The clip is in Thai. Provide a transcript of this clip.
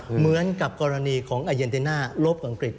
เหมือนกับกรณีของอาเยนติน่าลบอังกฤษ